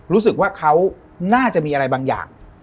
รู้สึกว่าเขาน่าจะมีอะไรบางอย่าง